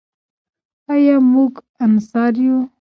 آیا موږ انصار یو؟